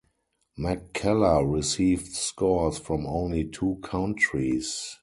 McKellar received scores from only two countries.